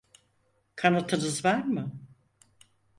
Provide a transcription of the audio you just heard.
Kanıtınız var mı?